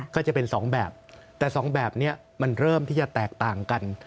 ก็จะเป็น๒แบบแต่สองแบบนี้มันเริ่มที่จะแตกต่างกัน